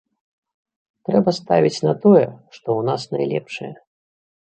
Трэба ставіць на тое, што ў нас найлепшае.